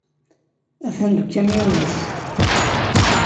Atan deg ukamyun-nnes.